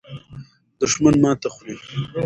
دښمن ماته خوري.